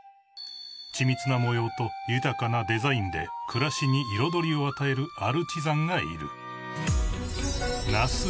［緻密な模様と豊かなデザインで暮らしに彩りを与えるアルチザンがいる］